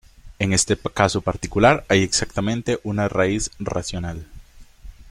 En este caso particular hay exactamente una raíz racional.